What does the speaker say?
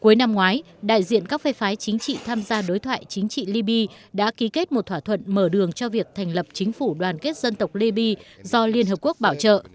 cuối năm ngoái đại diện các phe phái chính trị tham gia đối thoại chính trị liby đã ký kết một thỏa thuận mở đường cho việc thành lập chính phủ đoàn kết dân tộc libya do liên hợp quốc bảo trợ